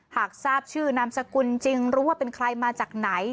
หากทราบชื่อนามสกุลจริงรู้ว่าเป็นใครมาจากไหน